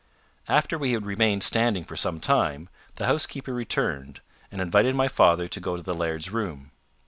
After we had remained standing for some time, the housekeeper returned, and invited my father to go to the laird's room.